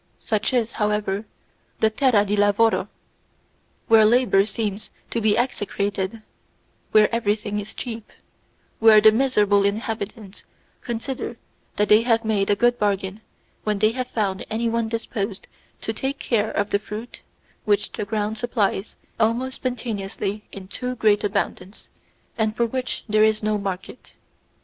Such is, however the Terra di Lavoro where labour seems to be execrated, where everything is cheap, where the miserable inhabitants consider that they have made a good bargain when they have found anyone disposed to take care of the fruit which the ground supplies almost spontaneously in too great abundance, and for which there is no market.